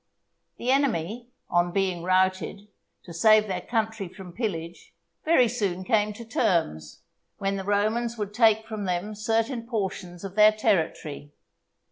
The enemy, on being routed, to save their country from pillage, very soon came to terms, when the Romans would take from them certain portions of their territory.